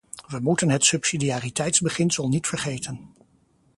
We moeten het subsidiariteitsbeginsel niet vergeten.